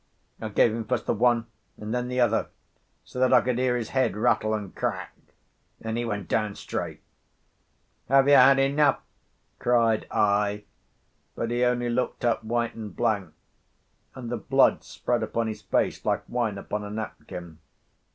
I gave him first the one and then the other, so that I could hear his head rattle and crack, and he went down straight. "Have you had enough?" cried I. But he only looked up white and blank, and the blood spread upon his face like wine upon a napkin.